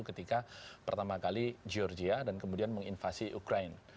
ketika pertama kali georgia dan kemudian menginvasi ukraine